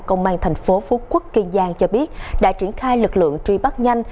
công an thành phố phú quốc kiên giang cho biết đã triển khai lực lượng truy bắt nhanh